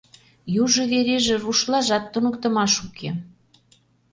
Южо вереже рушлажат туныктымаш уке.